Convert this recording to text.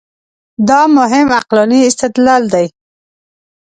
دا مهم عقلاني استدلال دی.